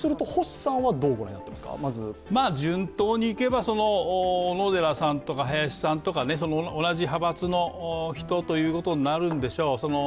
順当にいけば、小野寺さんとか林さんとか同じ派閥の人になるんでしょう。